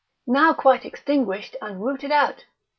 now quite extinguished and rooted out.